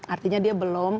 artinya dia belum